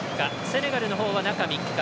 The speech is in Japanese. セネガルのほうは中３日。